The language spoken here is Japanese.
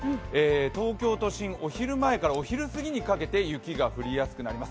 東京都心、お昼前からお昼すぎにかけて雪が降りやすくなります。